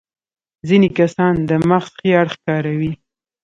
ځينې کسان د مغز ښي اړخ کاروي.